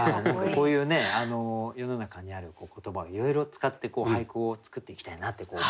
こういうね世の中にある言葉をいろいろ使って俳句を作っていきたいなって。